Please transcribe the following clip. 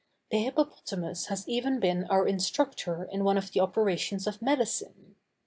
The hippopotamus has even been our instructor in one of the operations of medicine.